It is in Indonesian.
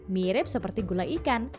mirip seperti gula ikan